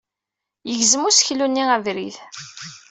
Yegzem useklu-nni abrid.